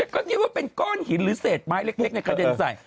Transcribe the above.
ก็นึกว่าเป็นก้อนหินหรือเศษไม้เล็กในกระเด็นใส่